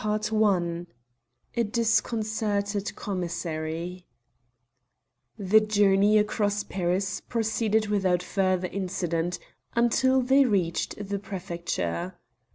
CHAPTER XI A DISCONCERTED COMMISSARY The journey across Paris proceeded without further incident, until they reached the prefecture.